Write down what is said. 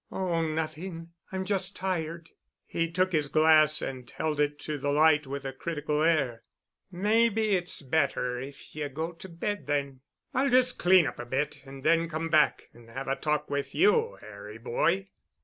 "Oh—nothing—I'm just tired." He took his glass and held it to the light with a critical air. "Maybe it's better if ye go to bed then. I'll just clean up a bit and then come back and have a talk with you, Harry boy."